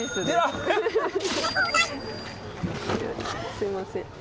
すいません。